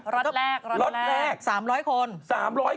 รอดแรกรอดแรกรอดแรก